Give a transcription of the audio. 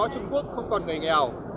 trung quốc không còn người nghèo